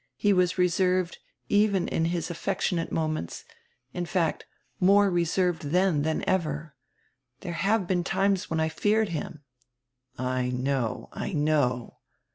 He was reserved even in his affectionate moments, in fact, more reserved then than ever. There have been times when I feared him.'" "I know, I know."